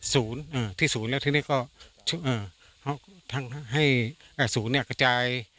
ศูนย์อ่าที่ศูนย์แล้วทีนี้ก็เขาก็ทำให้ศูนย์เนี่ยกระจาย